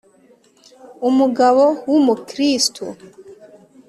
umugabo w'umukristu